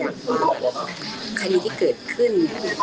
อยากให้สังคมรับรู้ด้วย